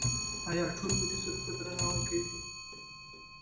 آیا ټول ملي سرود ته درناوی کوي؟